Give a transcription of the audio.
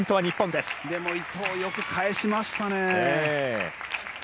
でも伊藤よく返しましたね。